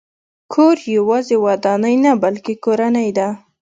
کور یوازې ودانۍ نه، بلکې کورنۍ ده.